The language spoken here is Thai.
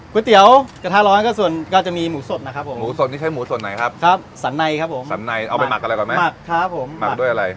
เตี๋ยวกระทะร้อนก็ส่วนก็จะมีหมูสดนะครับผมหมูสดนี่ใช้หมูส่วนไหนครับครับสันในครับผมสันในเอาไปหมักอะไรก่อนไหมหมักครับผมหมักด้วยอะไร